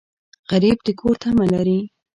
غریب د کور تمه لري